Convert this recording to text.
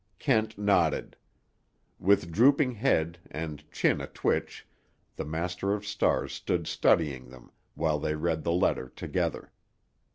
Kent nodded. With drooping head, and chin a twitch, the Master of Stars stood studying them, while they read the letter together.